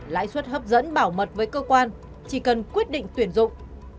lãi suất hấp dẫn bảo mật với cơ quan chỉ cần quyết định tuyển dụng